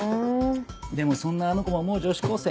でもそんなあの子ももう女子高生。